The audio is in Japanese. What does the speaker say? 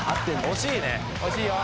惜しいよ。